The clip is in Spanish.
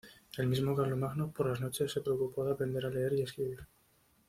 El mismo Carlomagno, por las noches, se preocupó de aprender a leer y escribir.